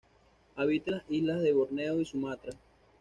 Habita en las islas de Borneo y Sumatra.